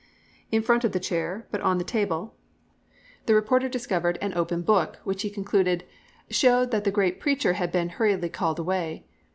In front of the chair, but on the table, the reporter discovered an "open book," which he concluded "showed that the great preacher had been hurriedly called away."